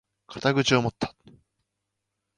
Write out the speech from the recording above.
肩口を持った！